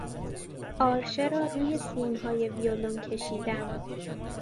آرشه را روی سیمهای ویولن کشیدن